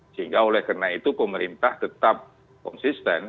sehingga oleh karena itu pemerintah tetap konsisten